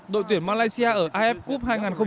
đội tuyển malaysia ở af cup hai nghìn một mươi tám